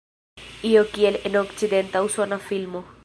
Io kiel en okcidenta usona filmo.